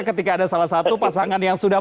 ketika ada salah satu pasangan yang sudah